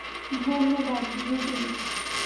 ধন্যবাদ, রুবি।